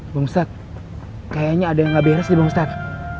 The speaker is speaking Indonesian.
bung ustadz kayaknya ada yang gak beres nih bang ustadz